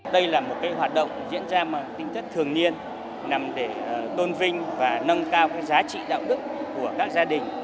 đây là một hoạt động diễn ra tinh chất thường niên nằm để tôn vinh và nâng cao giá trị đạo đức của các gia đình